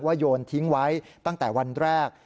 โยนทิ้งไว้ตั้งแต่วันแรก